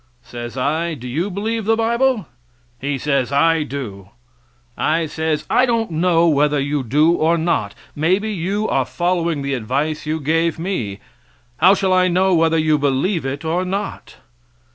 Says I, "Do you believe the bible?" He says, "I do." I says, "I don't know whether you do or not; maybe you are following the advice you gave me; how shall I know whether you believe it or not?"